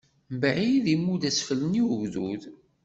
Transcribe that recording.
Mbeɛd, imudd asfel-nni n ugdud.